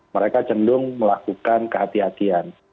mereka cendung melakukan kehatian